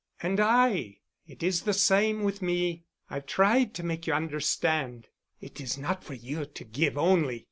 "And I—it is the same with me. I've tried to make you understand.... It is not for you to give only...."